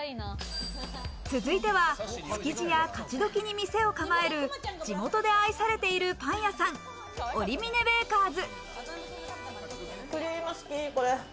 続いては築地や勝どきに店を構える地元で愛されているパン屋さん、オリミネベーカーズ。